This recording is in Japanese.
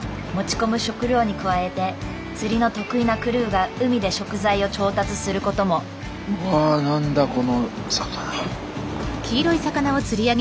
持ち込む食料に加えて釣りの得意なクルーが海で食材を調達することもうわ何だこの魚。